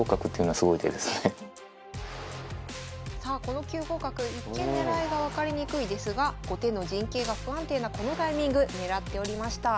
さあこの９五角一見狙いが分かりにくいですが後手の陣形が不安定なこのタイミング狙っておりました。